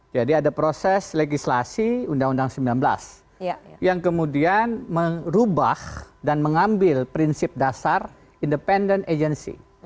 jadi ada proses legislasi undang undang sembilan belas yang kemudian merubah dan mengambil prinsip dasar independent agency